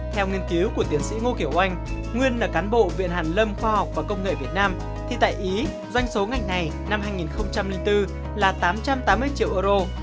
theo nghiên cứu của tiến sĩ ngô kiều oanh nguyên là cán bộ viện hàn lâm khoa học và công nghệ việt nam thì tại ý doanh số ngành này năm hai nghìn bốn là tám trăm tám mươi triệu euro